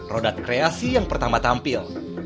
roda kreasi yang pertama tampil